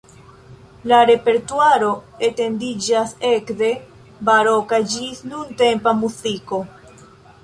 La repertuaro etendiĝas ekde baroka ĝis nuntempa muziko.